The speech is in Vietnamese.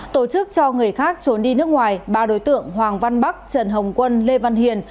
tổ chức cho người khác trốn đi nước ngoài ba đối tượng hoàng văn bắc trần hồng quân lê văn hiền